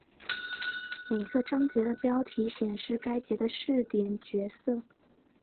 每个章节的标题显示该节的视点角色。